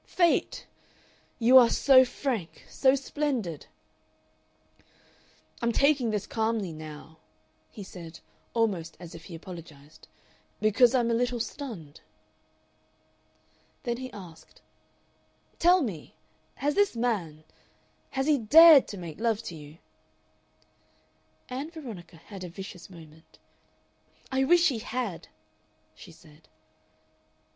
Fate! You are so frank so splendid! "I'm taking this calmly now," he said, almost as if he apologized, "because I'm a little stunned." Then he asked, "Tell me! has this man, has he DARED to make love to you?" Ann Veronica had a vicious moment. "I wish he had," she said.